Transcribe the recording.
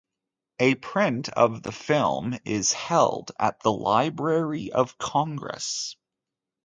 A print of the film is held at the Library of Congress.